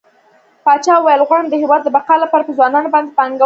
پاچا وويل غواړم د هيواد د بقا لپاره په ځوانانو باندې پانګونه وکړه.